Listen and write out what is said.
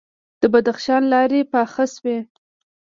د بدخشان لارې پاخه شوي؟